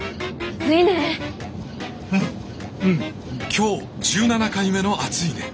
今日１７回目の「暑いね」。